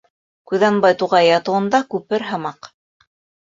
Күҙәнбай туғайы ятыуында — күпер һымаҡ.